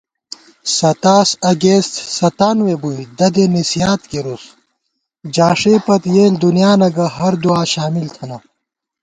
ستاس اگست ستانوے بُوئی دَدے نِسِیات کېرُوس * جاݭے پت یېل دُنیانہ گہ ہر دُعا شامل تھنہ